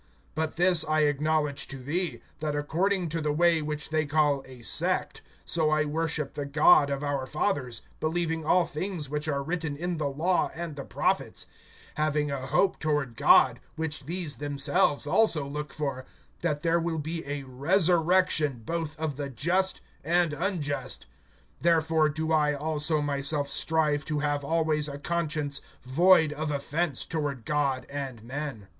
(14)But this I acknowledge to thee, that according to the way which they call a sect, so I worship the God of our fathers, believing all things which are written in the law and the prophets; (15)having a hope toward God, which these themselves also look for, that there will be a resurrection both of the just and unjust. (16)Therefore do I also myself strive to have always a conscience void of offense toward God and men.